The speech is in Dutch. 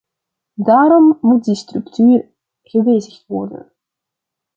Daarom moet die structuur gewijzigd worden.